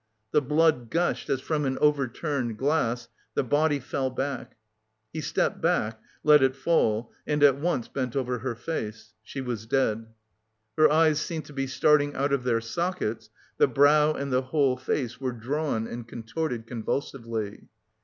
The blood gushed as from an overturned glass, the body fell back. He stepped back, let it fall, and at once bent over her face; she was dead. Her eyes seemed to be starting out of their sockets, the brow and the whole face were drawn and contorted convulsively.